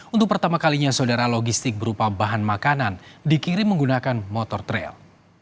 untuk pertama kalinya saudara logistik berupa bahan makanan dikirim menggunakan motor trail